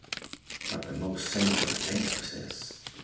But the most singular thing was this.